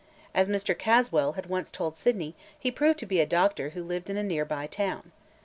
As Mr. Caswell had once told Sydney, he proved to be a doctor who lived in a near by town.